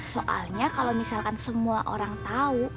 soalnya kalau misalkan semua orang tahu